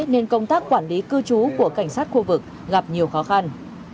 nên công tác quản lý cư trú của cảnh sát khu vực gặp nhiều khó khăn